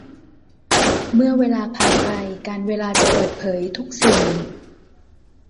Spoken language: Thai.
เมื่อเวลาผ่านไปกาลเวลาจะเปิดเผยทุกสิ่ง